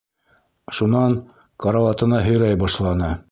Шунан... карауатына һөйрәй башланы...